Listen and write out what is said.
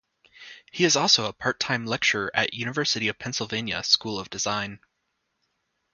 He is also a part-time lecturer at University of Pennsylvania School of Design.